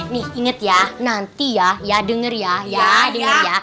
nih inget ya nanti ya ya dengar ya ya dengar ya